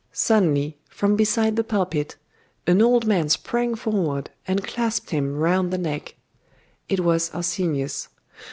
Suddenly, from beside the pulpit, an old man sprang forward, and clasped him round the neck. It was Arsenius.